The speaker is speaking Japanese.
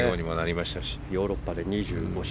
ヨーロッパでも２５勝。